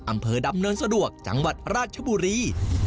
อำเภอดำเนินสะดวกจังหวัดราชบุรี